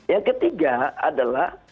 yang ketiga adalah